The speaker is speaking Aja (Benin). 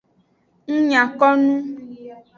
Ng nya ko nu.